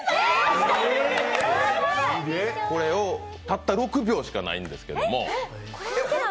たった６秒しかないんですけど。